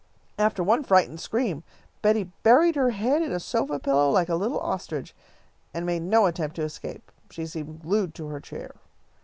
After one frightened scream, Betty buried her head in a sofa pillow like a little ostrich, and made no attempt to escape. She seemed glued to her chair.